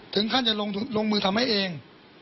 ถึงขั้นจะลงมือทำให้เอง